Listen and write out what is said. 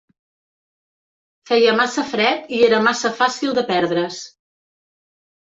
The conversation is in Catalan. Feia massa fred i era massa fàcil de perdre's